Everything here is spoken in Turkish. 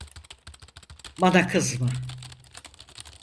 Bana kızma!